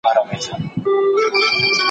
په تمه اوسئ!